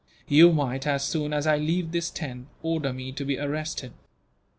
You might, as soon as I leave this tent, order me to be arrested.